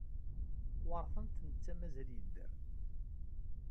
Weṛten-t netta mazal yedder.